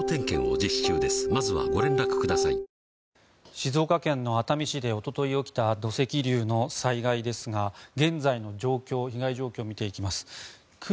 静岡県の熱海市でおととい起きた土石流の災害ですが現在の被害状況を見ていきます。